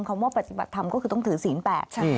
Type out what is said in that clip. คำว่าปฏิบัติธรรมก็คือต้องถือศีลแปด